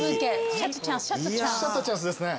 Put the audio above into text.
シャッターチャンスですね。